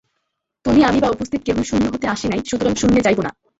তুমি আমি বা উপস্থিত কেহই শূন্য হইতে আসি নাই, সুতরাং শূন্যে যাইব না।